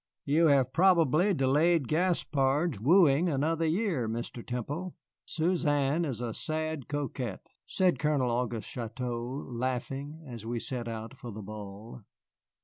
"You have probably delayed Gaspard's wooing another year, Mr. Temple. Suzanne is a sad coquette," said Colonel Auguste Chouteau, laughing, as we set out for the ball.